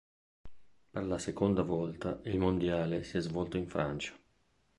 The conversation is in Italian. Per la seconda volta il Mondiale si è svolto in Francia.